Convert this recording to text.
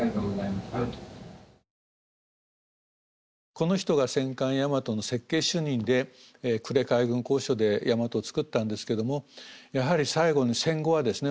この人が戦艦大和の設計主任で呉海軍工廠で大和を造ったんですけどもやはり最後に戦後はですね